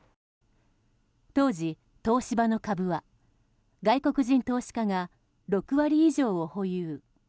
当時、東芝の株は外国人投資家が６割以上を保有。